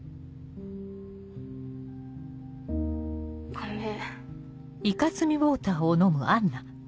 ごめん。